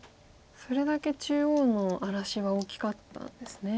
それだけ中央の荒らしは大きかったんですね。